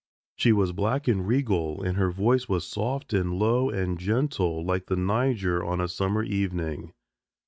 She was black and regal, and her voice was soft and low and gentle like the Niger on a summer evening.